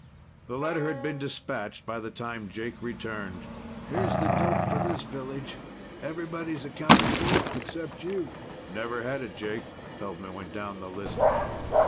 The letter had been dispatched by the time Jake returned. "Here's the dope for this village. Everybody accounted for except you." "Never had it, Jake." Feldman went down the list.